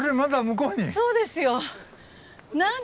そうですよ。